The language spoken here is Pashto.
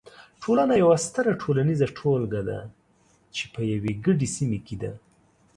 ټولنه یوه ستره ټولنیزه ټولګه ده چې په یوې ګډې سیمې کې ده.